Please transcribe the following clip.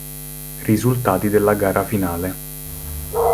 Risultati della gara finale.